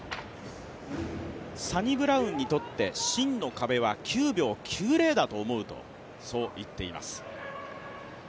サニブラウンにとって、真の壁は９秒９０だと思うとそう言っています。